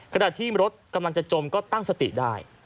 ขณะที่รถกำลังจะจมก็ตั้งสติได้